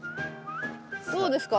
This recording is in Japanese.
どうですか？